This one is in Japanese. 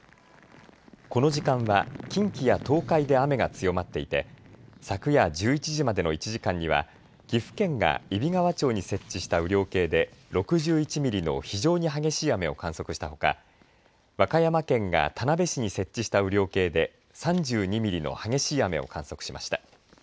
この時間は近畿や東海で雨が強まっていて昨夜１１時までの１時間には岐阜県が揖斐川町に設置した雨量計で６１ミリの非常に激しい雨を観測したほか和歌山県が田辺市に設置した雨量計で３２ミリの激しい雨を観測しました。